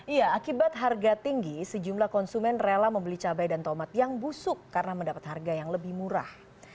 iya akibat harga tinggi sejumlah konsumen rela membeli cabai dan tomat yang busuk karena mendapat harga yang lebih murah